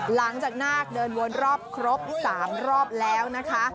หลังจากหน้าเดินวนรอบครบ๓รอบแล้วนะคะ